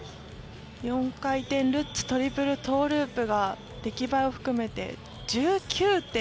４回転ルッツトリプルトウループが出来栄えを含めて１９．９０。